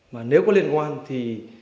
mà nếu có liên quan thì